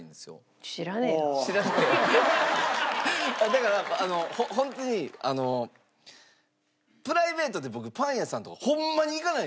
だからホントにプライベートで僕パン屋さんとかホンマに行かないんですよ。